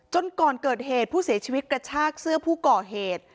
ก่อนเกิดเหตุผู้เสียชีวิตกระชากเสื้อผู้ก่อเหตุ